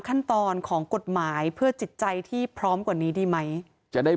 ขั้นตอนของกฎหมายเพื่อจิตใจที่พร้อมกว่านี้ดีไหมจะได้